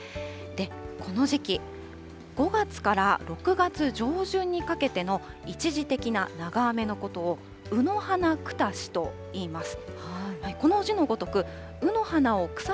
この時期、５月から６月上旬にかけての一時的な長雨のことを、卯の花腐しといいます。